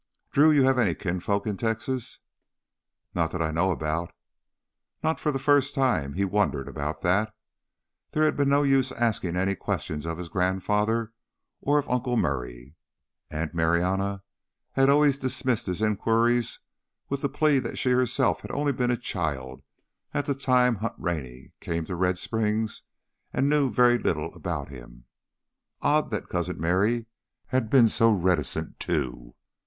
"Drew, you have any kinfolk in Texas?" "Not that I know about." Not for the first time he wondered about that. There had been no use asking any questions of his grandfather or of Uncle Murray. And Aunt Marianna had always dismissed his inquiries with the plea that she herself had only been a child at the time Hunt Rennie came to Red Springs and knew very little about him. Odd that Cousin Merry had been so reticent, too.